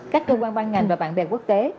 các cơ quan ban ngành và bạn bè quốc tế